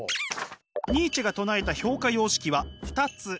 ニーチェが唱えた評価様式は２つ。